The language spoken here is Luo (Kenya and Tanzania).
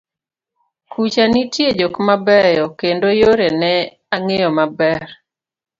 kucha nitie jok mabeyo, kendo yore ne ang'eyo maber